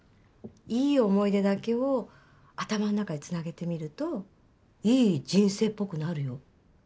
いい思い出だけを頭の中で繋げてみるといい人生っぽくなるよ。